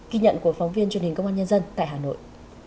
ghi nhận của phóng viên truyền hình công an nhân dân tại hà nội